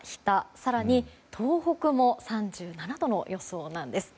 更に東北も３７度の予想なんです。